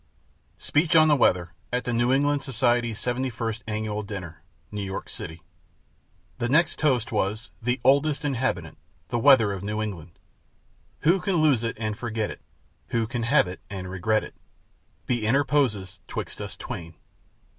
SPEECH ON THE WEATHER AT THE NEW ENGLAND SOCIETY'S SEVENTY FIRST ANNUAL DINNER, NEW YORK CITY The next toast was: �The Oldest Inhabitant The Weather of New England.� Who can lose it and forget it? Who can have it and regret it? Be interposer 'twixt us Twain.